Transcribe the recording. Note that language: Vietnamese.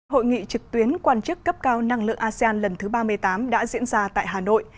hội nghị trực tuyến quan chức cấp cao năng lượng asean lần thứ ba mươi tám đã diễn ra tại hà nội